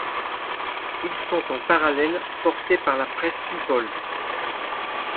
Ils sont en parallèle portés par la presse people.